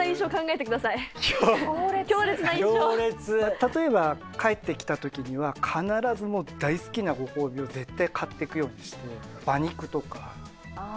例えば帰ってきた時には必ず大好きなご褒美を絶対買ってくようにして馬肉とか。